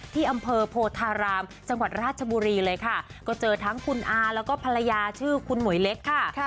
ที่อำเภอโพธารามจังหวัดราชบุรีเลยค่ะก็เจอทั้งคุณอาแล้วก็ภรรยาชื่อคุณหมวยเล็กค่ะ